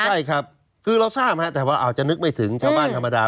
ใช่ครับคือเราทราบแต่ว่าอาจจะนึกไม่ถึงชาวบ้านธรรมดา